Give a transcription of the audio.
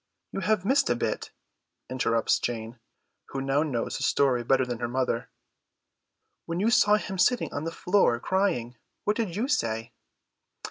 "You have missed a bit," interrupts Jane, who now knows the story better than her mother. "When you saw him sitting on the floor crying, what did you say?"